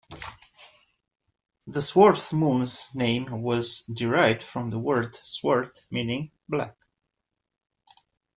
The Swarth Moor's name was derived from the word "sweart", meaning black.